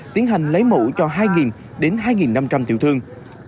tiến hành lấy mẫu cho hai đến hai năm trăm linh tiểu thương